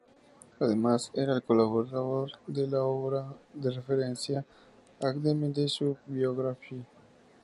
Además, era colaborador de la obra de referencia Allgemeine Deutsche Biographie.